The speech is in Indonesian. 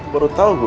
baru tau gue